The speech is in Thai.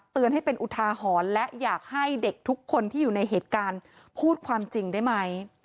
ให้เป็นอุทาหรณ์และอยากให้เด็กทุกคนที่อยู่ในเหตุการณ์พูดความจริงได้ไหม